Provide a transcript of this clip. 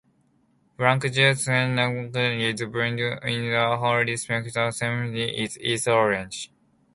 Frank Joseph McNulty is buried in the Holy Sepulchre Cemetery in East Orange.